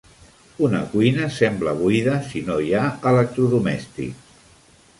Una cuina sembla buida si no hi ha electrodomèstics.